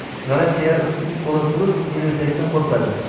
«G‘alati-ya, o'simlik bo‘laturib yelvizakdan qo‘rqadi...